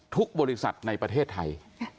ทุกบริษัทในประเทศไทย